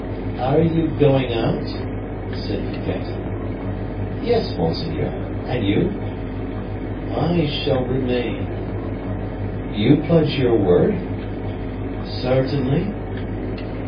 "Are you going out?" said Fouquet. "Yes, monseigneur. And you?" "I shall remain." "You pledge your word?" "Certainly."